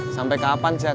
sampai kapan jack